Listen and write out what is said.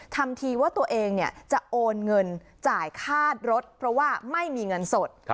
ทำทีว่าตัวเองจะโอนเงินจ่ายค่ารถเพราะว่าไม่มีเงินสด